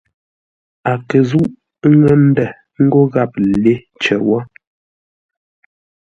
A kə̂ nzúʼ ńŋə́ ndə̂ ńgó gháp lê cər wó.